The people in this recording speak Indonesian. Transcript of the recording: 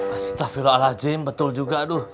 astaghfirullahaladzim betul juga